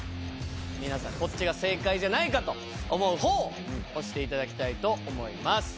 皆さんこっちが正解じゃないかと思う方を押していただきたいと思います。